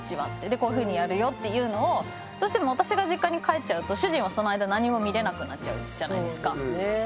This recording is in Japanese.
で「こういうふうにやるよ」っていうのをどうしても私が実家に帰っちゃうと主人はその間何も見れなくなっちゃうじゃないですか。